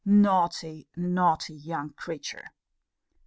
Naughty, naughty, young creature!